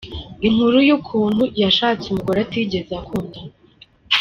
Inkuru y’ukuntu yashatse umugoe atigeze akunda.